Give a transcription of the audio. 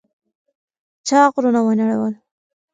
چا غرونه ونړول؟